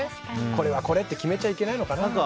これはこれって決めちゃいけないのかなとか。